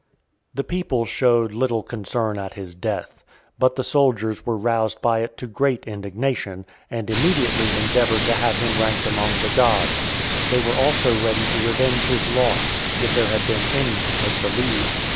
XXIII. The people shewed little concern at his death, but the soldiers were roused by it to great indignation, and immediately endeavoured to have him ranked among the gods. They were also ready to revenge his loss, if there had been any to take the lead.